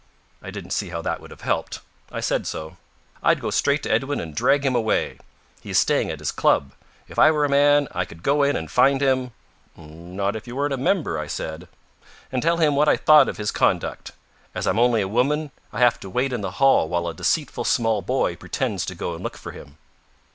I didn't see how that would have helped. I said so. "I'd go straight to Edwin and drag him away. He is staying at his club. If I were a man I could go in and find him " "Not if you weren't a member," I said. " And tell him what I thought of his conduct. As I'm only a woman, I have to wait in the hall while a deceitful small boy pretends to go and look for him."